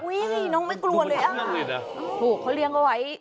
อุ๊ยน้องไม่กลัวเลยอ่ะค่ะนั่นเลยน่ะโอ้โฮถูกเขาเลี้ยงเอาไว้